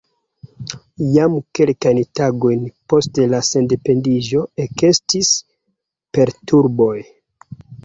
Jam kelkajn tagojn post la sendependiĝo ekestis perturboj.